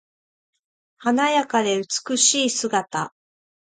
華やかで美しい姿。